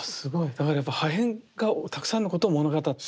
だからやっぱ破片がたくさんのことを物語ってる。